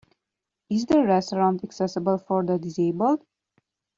Is the restaurant accessible for the disabled?